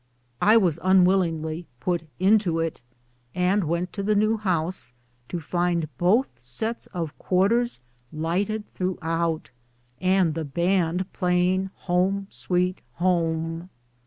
I was unwillingly put into it, and went to the new house to find both sets of quarters lighted throughout, and the band playing "Home, Sweet Home."